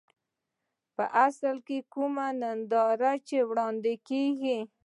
په اصل کې کومه ننداره چې وړاندې کېږي.